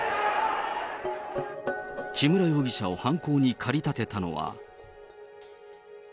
木村容疑者を犯行に駆り立てたのは。